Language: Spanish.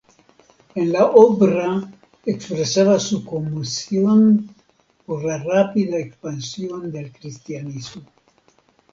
En la obra expresaba su conmoción por la rápida expansión del cristianismo.